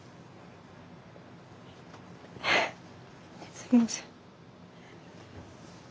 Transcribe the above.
すみません。